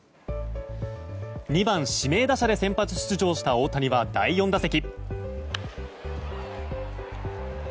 ２番指名打者で先発出場した大谷は第４打席。